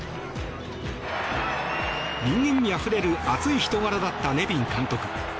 人間味あふれる熱い人柄だったネビン監督。